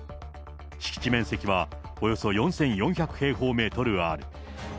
敷地面積はおよそ４４００平方メートルある。